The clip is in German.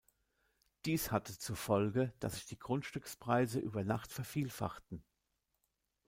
Dies hatte zur Folge, dass sich die Grundstückspreise über Nacht vervielfachten.